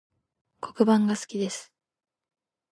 黒板が好きです